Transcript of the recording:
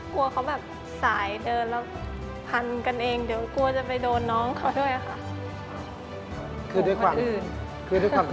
กลัวเขาแบบสายเดินแล้วพันกันเองเดี๋ยวกลัวจะไปโดนน้องเขาด้วยค่ะ